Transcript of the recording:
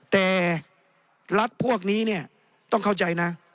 แต่รัฐพวกนี้ต้องเข้าใจนะ